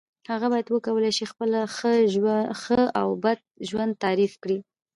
هغه باید وکولای شي خپله ښه او بد ژوند تعریف کړی.